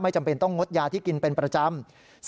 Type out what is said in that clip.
จำเป็นต้องงดยาที่กินเป็นประจำ